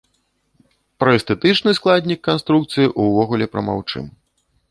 Пра эстэтычны складнік канструкцыі ўвогуле прамаўчым.